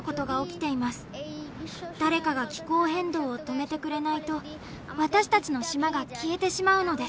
誰かが気候変動を止めてくれないと私たちの島が消えてしまうのです。